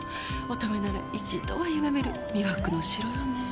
乙女なら一度は夢見る魅惑の城よねえ。